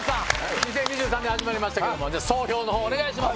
２０２３年始まりましたけども総評の方お願いします